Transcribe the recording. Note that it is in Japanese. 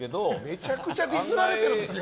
めちゃくちゃディスられてるんですよ？